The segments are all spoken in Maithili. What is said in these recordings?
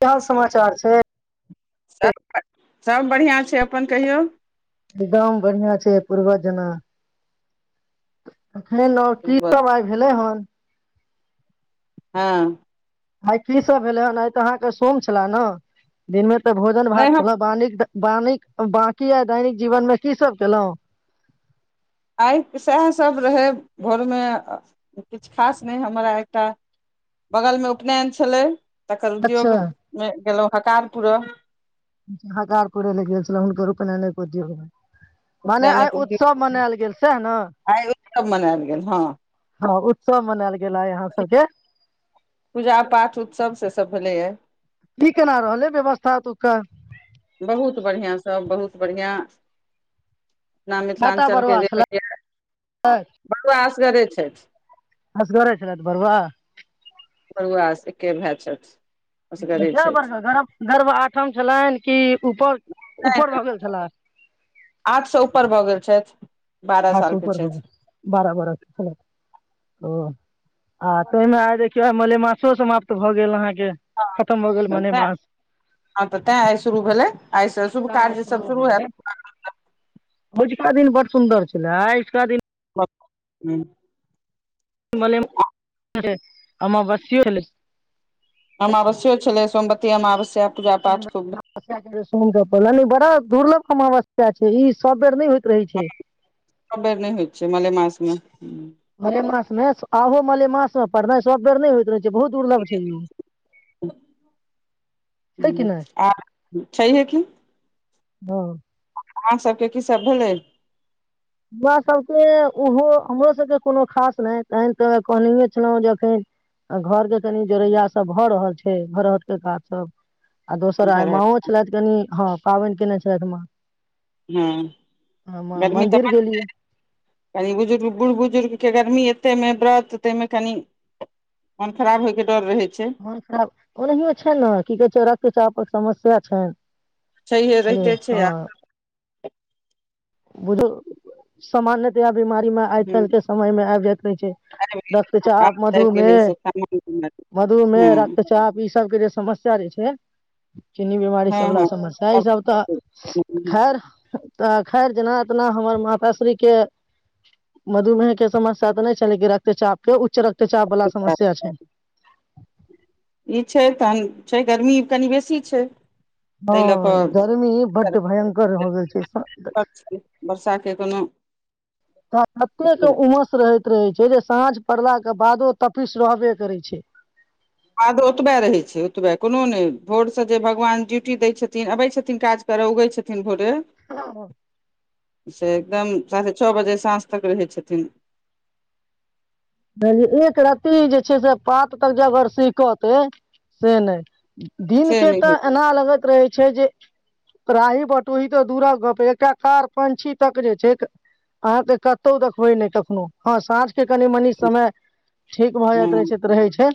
कि हाल समाचार छै सभ सभ बढ़िआँ छै अपन कहियौ एकदम बढ़िआ छै पुर्वा जना नै की सब आइ भेलै हन हँ आइ की सब भेलै हेन आइ तऽ अहाँके सोम छले ने दिनमे तऽ भोजन नहि भात हम छल बा निक बानिक बकी आ दैनिक जीवन मे की सब केलहुँ आइ सएहसभ रहय घरमे किछु खास नहि हमरा एक टा बगलमे उपनयन छलै तकर अच्छा उद्योगमे गेलहुँ हकार पूरब हकार पुरै ले गेल छल हुनकर केना नहि को दियै मने आइ उपनयनक उद्योग उत्सव मनायल गेल सएह ने आइ उत्सव मनायल गेल हँ हँ उत्सव मनायल गेला ह यहाँ सबके पूजा पाठ उत्सव से सभ भलेए की केना रहलै व्यवस्था ओतुका बहुत बढिया सब बहुत बढ़िआँ अपना काटा मिथिलाञ्चलके बरुआ जे छलै हो बड़आ असगरे छथि असगरे छैथ रात बरवा बरुआकें भाइ छल कए बर् गर् गर्व आठम छलनि कि ऊपर नहि ऊपर भऽ गेल छलए आठ सौ ऊपर भऽ गेल छैथ हँ सु उपर हो बारह वर्ख ओ आ तहिमे आइ देखियौ आ मलेमासो समाप्त भऽ गेल अहाँके जें हँ खतम हो गेल तेँ भने बात हँ तऽ तैँ आइ शुरू भेलै आइसँ शुभ कार्यसभ शुरू हयत अजुका दिन बड़ सुन्दर छलै आईजुका दिन हू मले अमवस्यो एले अमवस्य छलै सोमवती अमावस्या पूजा पाठ खूब अमावस्या के जे बड़ा दुर्लभ अमावस्या छै ई सब बेर नहि होइत रहय छै सब बेर नहि होइ छै मले मासमे मले मास मे आबहो मले मास मे पढ़नाइ स बेर नहि होइत रह छै जे बहुत दुर्लभ छै इ ह आ छैहे की हँ अहाँ सबके की सब भेलै हमरा सभके ओहो हमरो सभके कोनो खास नहि तखन तऽ कहनए छलहुँ जे एखन आ घरके कनि जोड़ैया सब भऽ रहल छै घरहटके काज सब आ दोसर आ इम्हर हर? माओ छलथि कनि हँ पाबनि केने छलथि म हँ गर्मी मन्दिर तऽ ब गेलियै क बुजुर्ग बुढ़ बुजुर्ग के गर्मी एते में व्रत ते मे कनि मन खराब होय के डर रहे छै मोन खराब ओनाहियो छै ने की कहै छै रक्तचापक समस्या छैन छैे रहते छै आ बुझु सामान्यतया बीमारी में आइ काल्हि के समय मे आब जायत र छै आबि रखे छै गेल आब आबि मधुमे गेलै ई सब सामान मधुमेह रक्तचाप ई सबके जे समस्या रहे छै चीन्नी बीमारी हँ सबला हँ समस्या ई सब तऽ हँ खैर तऽ खैर जेना तना हमर माताश्री के मधुमेह के समस्या तऽ नहि छै लेकिन रक्तचाप के उच्च रक्तचाप वाला समस्या छै ई छै तहन छै गर्मी कनि बेसी छै ताहि लऽ कऽ हँ गर्मी बड्ड भयंकर हो गेल छै वर्षाके कोनो तऽ कतेक के उमस रहैत रहै छै से जे साँझ पड़लाके बादो तफिस रहबे करै छै बाद ओतबे रहैत छै ओतबे कोनो नहि भोरसँ जे भगवान ड्यूटी दैत छथिन अबैत छथिन काज क उगै छथिन भोरे से एकदम साढ़े छव बजे साँझ तक रहै छथिन एक रत्ती जे छै से पात तक जे अगर सिहकतय से नहि दिन से के नहि होइ तऽ एना लगैत रहै छै जे राही बटोहि तऽ दूरा गप एक टा कार पंछी तक जे छै अहाँ तऽ कतौ देखबै नै कखनो हँ साँझ के कनि मनी छै समय ठीक भऽ जाइत रहै छै तऽ रहै छै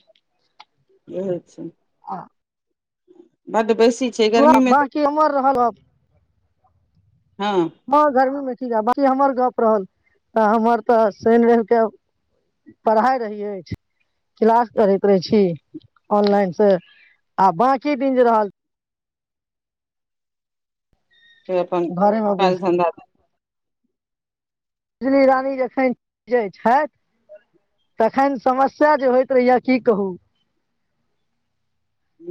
इहे छै बड बैस तुरत बाकी हमर एहल अ हँ हँ गर्मी मे ठीक ह बाकी हमर गप रहल हमर तऽ शैन रैब के पढ़ाय रहियै क्लास कहैत रहै छी ऑनलाइनसँ आ बाँकी दिन जे रहल से अपन घरे मे काल बैस के धन्दा रजनी रानी जे छथि तखन समस्या जे होइत रहैया की कहू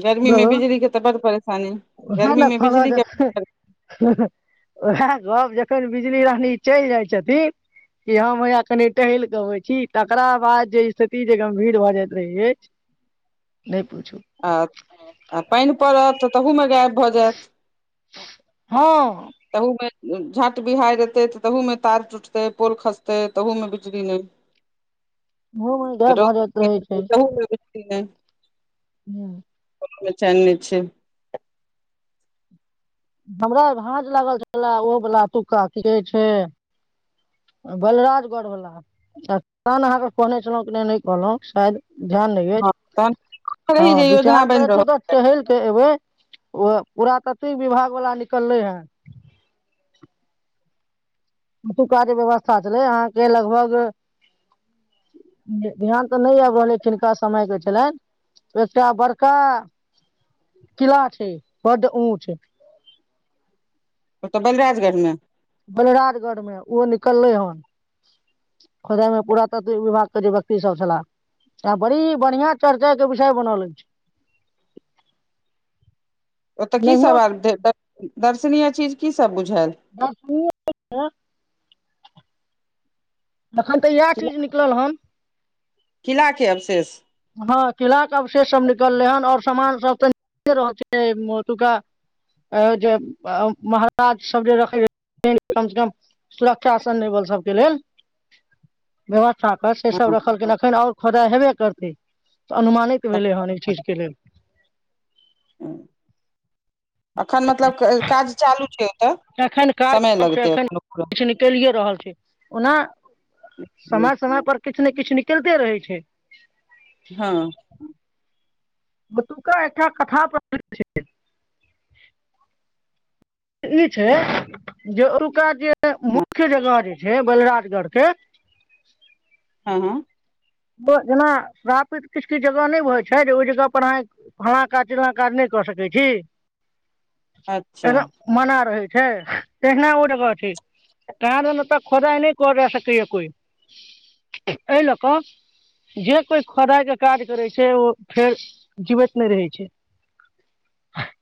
गर्मी मे बिजली के तऽ बड पर उहे न कहलौ जे सब जखैन बिजली रानी चैल जाइ छथिन कि हम या कनि टहैल के आबै छी तकरा बाद जे स्थिति जे गम्भीर भऽ जाइत रहै अछि नहि पूछू आ पानि पड़त त तहू मे गायब भऽ जैत हँ झाँट बिहार एते त तहू मे तार टूटतै पोल खसतै तहू में बिजली नहि घ भऽ रहै छै रौद तहू [inaudible] हँ चैन्न नैय छैय हमरा भाँज लागल छलए ओहोवला ओतुक्का की कहै छै बलराजगढ़वला तन अहाँके कहने छलौ क नहि कहलहु सायद ध्यान नहि अछि हँ तहन हँ रही जे योजना विचार बनि करै रहल ओऽ टहैल केऽ एबे ओ पुरातात्विक विभागवला निकललै हेँ ओतुका जे व्यवस्था छलै अहाँके लगभग बिहान तऽ नहि आबि रहलै टिनका समय दै छलऽ एकटा बड़का किला छै बड ऊच ओ तऽ बलराजगढ़मे बलराजगढ़मे ओ निकललै हन खोदाय में पुरात्व विभागके जे व्यक्ति सब छलाह टा बड़ी बढ़िआँ चर्चा के विषय बनल छै ओतऽ की सब आब दर्शनीया चीज की सब बुझ बस अखन तऽ एहा चीज निकलल हन किला के अवशेष हँ किला के अवशेष सब निकललै हन आओर सामान सब तऽ नीके रह छै ओतुका जे महाराज सब जे रखै छथि कम से कम सुरक्षा सन नई भेल सबके लेल व्यवथा साकर से सब हँ रखलखिन एखन आओर खोदाइ हेबे करतै तऽ अनुमानित भेलै हन अई चीजके लेल ह एखन मतलब काज चालू छै ओतऽ एखन समय लगतै कखन एखन पूरा किछ निकलिय रहल छै ओना के लिए। समय समय पर किछु ने किछु निकलते रहै छै हँ ओतुका एकटा कथा प्रसिद्ध छै ई छै जे ओतुका जे हँ मुख्य जगह जे छै बलराज करके हँ हँ जेना श्रापित किछु किछु जगह नहि होय छै जे ओहि जगह पर अहाँ फल्लां काज चिल्लाँ काज नहि कऽ सकै छी अच्छा एक मना रहै छै तेहने ओ जगह छै कहां दोन ओत खोदाइ नई कर जा सकैए कोई एहि लए क जे कोइ खोदाइके काज करै छै ओ फेर जीबैत नई रहै छै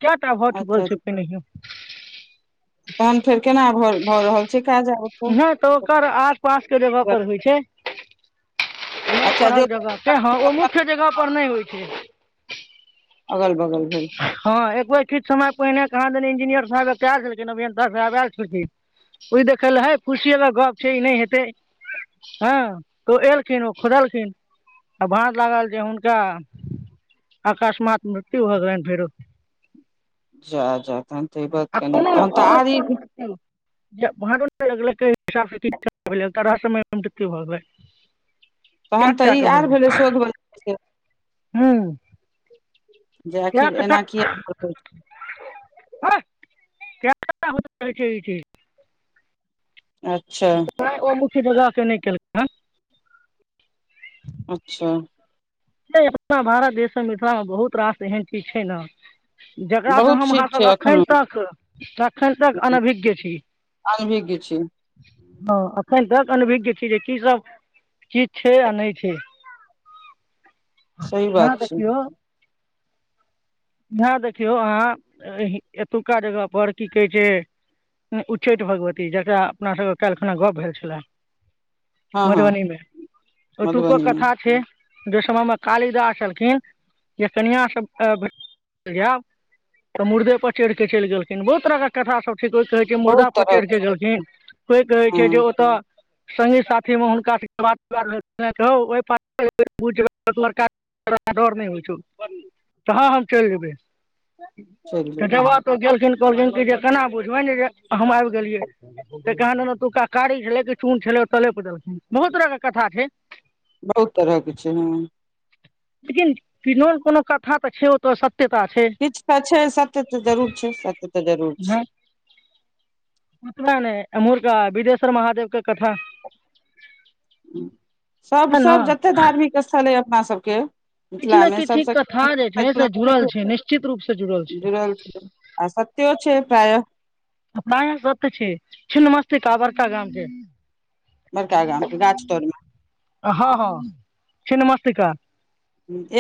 कयटा भ चुकल अच्छा छै पहनहियो तहन फेर केना भ भऽ रहल छै काज आब ओतऽ नई तऽ ओकर आस पास के जगह पर होइ छै अच्छा पल जो जगह के हँ ओ मुख्य जगह पर नहि होइ छै अगल बगल भेल हँ एक बेर किछु समय पहिने कहाँ दनी इंजीनियर साहेब क आलखिन अभियन्ता साहेब आयल छलखिन ओहि देखय ल हे फुसिए वला गप छै ई नहि हेतै हँ तऽ ओ एलखिन ओ खोदलखिन आ भाँज लागल जे हुनका अकस्मात मृत्यु भ गेलैनि फेरु जा जा तहन तऽ ई बात आ को कनि तहन तऽ को आर ई को कर ैि समय मृत्यु भऽ गेलै [inaudible] कए तखन तऽ ई आर भेलै सोग ब से हँ जे आखिर एना किया न कहै हो रहै छै ई छै अच्छा बगा कऽ नहि केलकै हन अच्छा से अपना भारत देशमे मिथिलामे बहुत रास एहन चीज छै न जकरासँ बहुत हम चीज अहाँसभ छै अखन एखनो तक एखन तक अनभिज्ञ छी आर भी किछ हँ एखन तक अनभिज्ञ छी जे की सब चीज छै आ नहि छै सही यहाँ बात छै ह देखियौ अहाँ एतुक्का जगह पर की कहै छै उच्चैठ भगवती जकरा अपनासभके काल्हि खुना गप्प भेल छला हँ हँ मधुबनी मे ओतूको मधुबनी मे कथा छै जे समयमे कालिदास छलखिन जे कनिआ से जायब तऽ मुर्देपर चढ़ि कऽ चलि गेलखिन बहुत तरहके कथास सभ कोइ कहै छै मुर्दा बहुत पर चढ़ि तरहक क छै गेलखिन कोई कहै छै जे हँ ओतऽ संगी साथी में हुनका डर नहि होइ छौ कहाँ हम चलि जेबै चलि त जेबै जब तो गेलखिन कहलखिन कि जे केना बुझबै ने जे हम आबि गेलियै तऽ कहल एतुका कारी छलै कि चून छलै तले पदलखिन बहुत तरह के कथा छै बहुत तरहक कि छै ने हॅं लेकिन किन कोनो कथा तऽ छै तो सॅं किछु तऽ छै सत्य तऽ जरूर छै सत्य तऽ जरूर छै पत ने अमूर का बिदेश्वर महादेव के कथा सभ छै ने सभ जतेक धार्मिक स्थल अइ अपनासभके किछु ने मिथिलामे किछु सभसँ कथा जे छै से जुड़ल छै निश्चित रूप से जुड़ल छै त्यो छै प्रायः अपना यहाँ सत छी छिन्नमस्तीका बरका गाम छै बड़का गाम के गाछ तर हँ हँ से छिन्नमस्तीका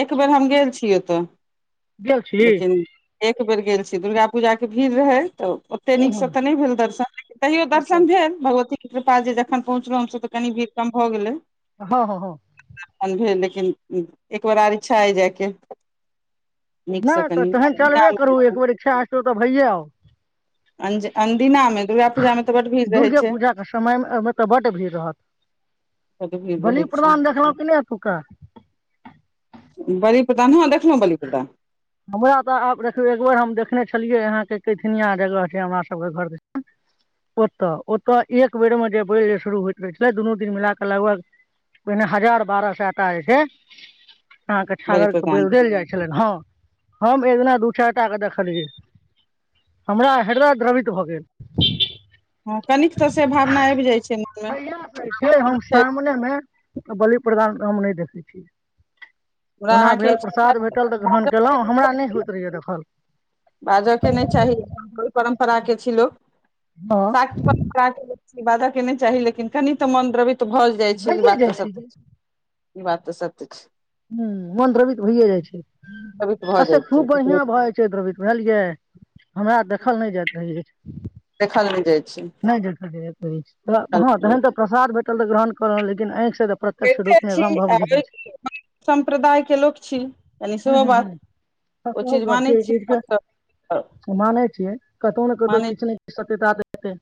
एक बेर हम गेल छी ओतय गेल छी लेकिन एक बेर गेल छी दुर्गा पूजा के भीड़ रहै तऽ ओते हूँ नीकसँ हूँ तऽ नहि भेल दर्शन तैयो अच्छा दर्शन भेल भगवती कित पास जे जखन पहुँचलहुं हमस तऽ कनि भीड़ कम भऽ गेलै हँ हँ हँ एकबार आर इच्छा अय जायके नीकसँ नहि तऽ कनि तेहन अनदिना चलबे करू मे एक बेेर इच्छा हौ तऽ भैये आउ अन अनदिना मे दुर्गा पूजा मे तऽ बड भीड़ रहै दुर्गे छै पूजाके समय एहिहिमे तऽ बड भीड़ रहत बड भीड़ बलि रहै छै प्रदान देखलहुँ कि नहि एतुका बलिप्रदान ह देखलहु बलिप्रदान हमरा तऽ आब देखियौ एकबेर हम देखने छलियै अहाँके कैथिनियाँ जगह छै हमर सभके घर दिश ओतऽ ओतय एक बेरमे जे बैल शुरू होइत रहै छलै दुनू दिन मिला कऽ लगभग पहिने हजार बारह सेता ह छै अहाँके बलि छागर के प्रदान बैल देल जाइ छलनि हँ हम एक दिना दू चारिटा के देखलियै हमरा हैदरा द्रवित भऽ गेल हँ कनिक तऽ से भावना आबि जाइ छै मनमे तहियासँ जे हम छै सामनेमे बलि प्रदान हम नहि देखै छियै ओकरा ओना अहाँके ई भेल चीज प्रसाद भेटल तऽ ग्रहण बाजऽ केलहुँ हमरा नहि होइत रहैयए देखल बाजय के नहि चाही ओहि परम्परा छी लोक हँ शाक्त परम्परे बाज के नहि चाही लेकिन कनि तऽ मोन द्रवित तऽ भऽ जाइ छै ई भइए बात जाइ तऽ छै सभ ई बात सत छै ह मन द्रवित भइए जाइ छै द्रवित भऽ आ से जाइ छै खूब ककरो बढ़िआं भए जाइ छै द्रवित बुझलियै हमरा देखल नहि जाइत रहि अछि देखल नहि जाइ छै नहि देखल हँ नहि जाइ छै। तहन तऽ प्रसाद भ ऽ ग्रहण कलहुँ लेकिन आँख से [unintelligible] सम्प्रदायके लोक छी कनी हूँ सेहो हूँ बात ओ चीज मानै छी हमसभ [unintelligible] मानै छियै कतहु ने कतहु मानै किछु ने किछु सत्यताऽ हेतै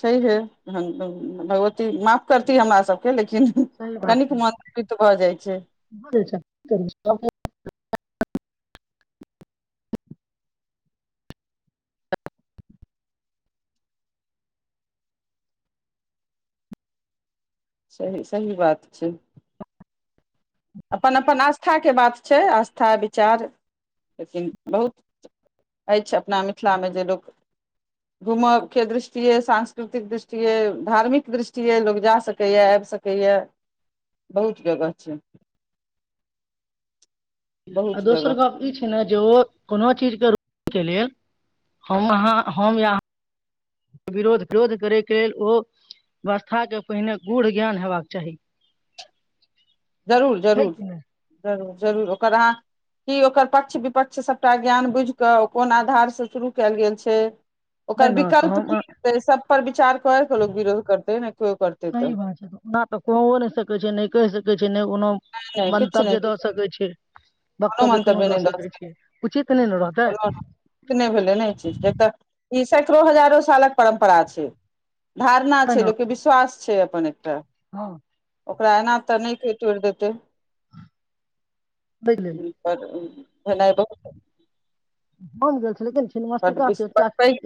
छै हे भगवती माफ करतीै हमरा सबके लेकिन सही कनिक बात मन द्रवित भऽ जाइ छै छै सही सही बात छै अपन अपन आस्थाके बात छै आस्था विचार लेकिन बहुत अछि अपना मिथिलामे जे लोक घूमयके दृष्टिए सांस्कृतिक दृष्टिए धार्मिक दृष्टिए लोक जा सकैए आब सकैएा बहुत जगह छै आ बहुत दोसर जगह गप ई छै ने जे ओ कोनो चीजके रु के लेल हम अहाँ हम यहाँ विरोध विरोध करैके लेल ओ व्यवस्थाके पहिने गूढ़ ज्ञान हेबाक चाही जरूर छै जरूर कि नहि जरूर जरूर ओकर अहाँ की ओकर पक्ष विपक्ष सभटा ज्ञान बुझि कऽ ओ कोन आधारसँ शुरू कयल गेल छै नहि ओकर ने तऽ विकल्प की हम हेतै सब परर विचार करय कऽ लोक विरोध करतै ने केओ करतै सही तऽ बात छै ओना तऽ कहओ नहि सकैत छै नहि कहि सकै छै नहि कोनो नहि नहि किछु नहि मन्तव्य दऽ किछु नहि सकैत छै कोनो वक्तव्य मतव्य दऽ नहि सकैत छै उचित नहि ने रहतै द नहि भेलै नहि एक ई सैकड़ो हजारो सालक परम्परा छै धारणा तै छै ने लोकके विश्वास छै अपन एकटा हँ ओकरा एना तऽ नहि के तोड़ि देतै ताहि लेल ना ब भ गेल छलेकिन छिनमस्ती का एकटा बड पैघ